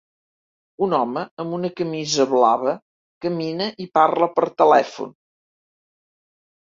Un home amb una camisa blava camina i parla per telèfon.